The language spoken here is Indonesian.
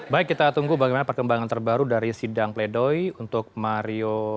baik kita tunggu bagaimana perkembangan terbaru dari sidang pledoi untuk mario